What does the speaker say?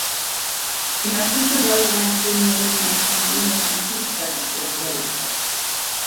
Im Artikel soll es um ein zehnjähriges Mädchen gehen, das einen Flugzeugabsturz überlebt hat.